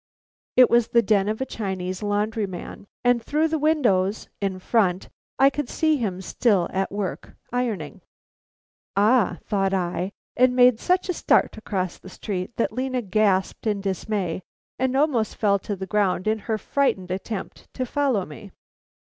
It was the den of a Chinese laundryman, and through the windows in front I could see him still at work, ironing. "Ah!" thought I, and made such a start across the street that Lena gasped in dismay and almost fell to the ground in her frightened attempt to follow me.